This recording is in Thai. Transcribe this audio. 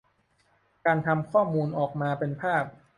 การทำข้อมูลออกมาเป็นภาพ